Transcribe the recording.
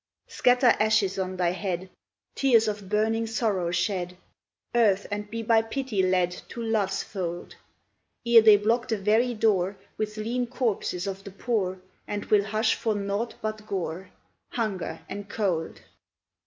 Scatter ashes on thy head, Tears of burning sorrow shed, Earth! and be by pity led To Love's fold; Ere they block the very door With lean corpses of the poor, And will hush for naught but gore, Hunger and Cold!